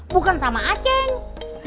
bukan sama aceh